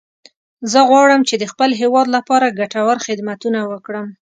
زه غواړم چې د خپل هیواد لپاره ګټور خدمتونه وکړم